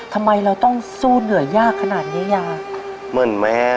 ทำไมเราต้องสู้เหนือยากขนาดเยอะ